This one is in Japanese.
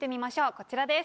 こちらです。